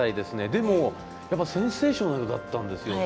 でもやっぱりセンセーショナルだったんですよ。